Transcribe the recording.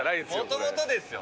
もともとでしょ。